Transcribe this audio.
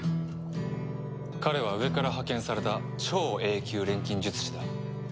彼は上から派遣された超Ａ級錬金術師だ。